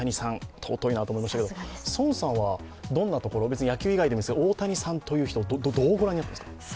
とうといなと思いましたけど、宋さんは野球以外でもいいんですが大谷さんという方をどうご覧になっていますか。